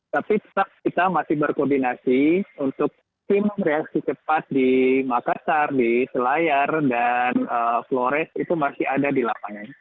tapi tetap kita masih berkoordinasi untuk tim reaksi cepat di makassar di selayar dan flores itu masih ada di lapangan